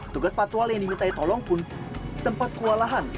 tugas fatwal yang dimintai tolong pun sempat kewalahan